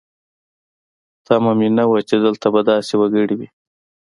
تمه مې نه وه چې دلته به داسې وګړي وي.